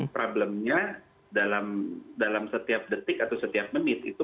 problemnya dalam setiap detik atau setiap menit